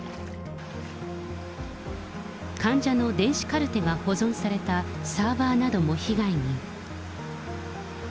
患者の電子カルテが保存されたサーバーなども被害に。